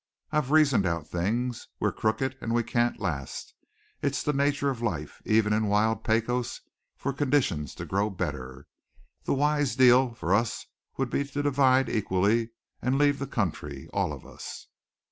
I've reasoned out things. We're crooked and we can't last. It's the nature of life, even in wild Pecos, for conditions to grow better. The wise deal for us would be to divide equally and leave the country, all of us."